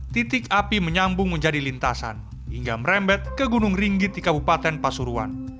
titik api menyambung menjadi lintasan hingga merembet ke gunung ringgit di kabupaten pasuruan